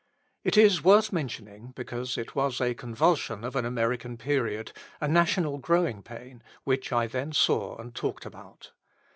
It is worth mentioning, because it was a convulsion of an American period, a national growing pain, which I then saw and talked about.